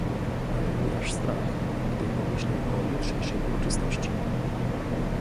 "ale mnie aż strach, gdy pomyślę o jutrzejszej uroczystości!"